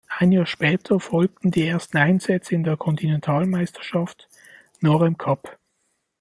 Ein Jahr später folgten die ersten Einsätze in der Kontinentalmeisterschaft Nor-Am Cup.